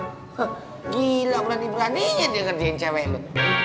gila berani beraninya dia ngerjain cewek loh